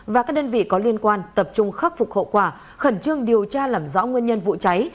và các đơn vị có liên quan tập trung khắc phục hậu quả khẩn trương điều tra làm rõ nguyên nhân vụ cháy